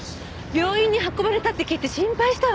病院に運ばれたって聞いて心配したわ！